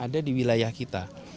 ada di wilayah kita